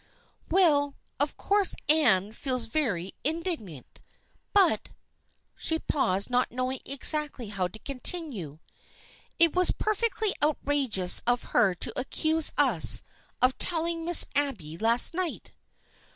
" Well, of course Anne feels very indignant, but " she paused, not knowing exactly how to continue. " It was perfectly outrageous of her to accuse us of telling Miss Abby last night.'